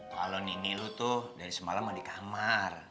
kalau nini lu tuh dari semalam mau di kamar